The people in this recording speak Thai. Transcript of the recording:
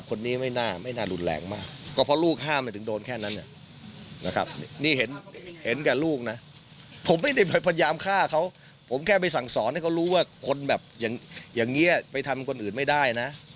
คนแบบอย่างเงี้ยไปทำคนอื่นไม่ได้นะ